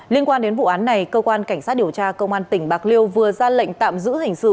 liên quan đến vụ án này cơ quan cảnh sát điều tra công an tỉnh bạc liêu vừa ra lệnh tạm giữ hình sự